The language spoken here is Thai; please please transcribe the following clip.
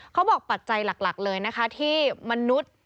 ปัจจัยหลักเลยนะคะที่มนุษย์